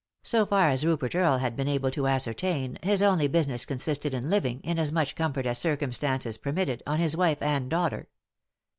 So far as Rupert Earle had been able to ascer tain his only business consisted in living, in as much comfort as circumstances permitted, on his wife and daughter.